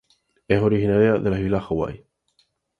Es originaria de las Islas Hawái.